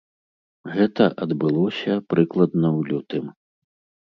Гэта адбылося прыкладна ў лютым.